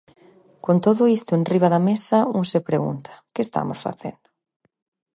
Con todo isto enriba da mesa un se pregunta, que estamos facendo?